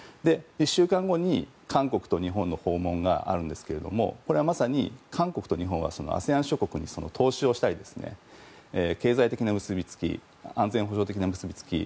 １週間後に韓国と日本の訪問があるんですけどこれはまさに韓国と日本はＡＳＥＡＮ諸国に投資をしたり、経済的な結びつき安全保障的な結びつき